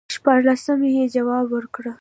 شپاړسمه یې جواب ورکړ.